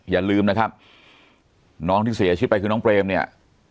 อย่าลืมนะครับน้องที่เสียชีวิตไปคือน้องเปรมเนี่ย